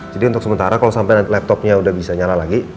jadi untuk sementara kalo sampe laptopnya udah bisa nyala lagi